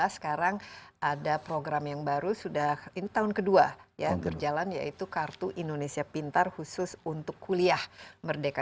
sekarang ada program yang baru sudah ini tahun kedua ya berjalan yaitu kartu indonesia pintar khusus untuk kuliah merdeka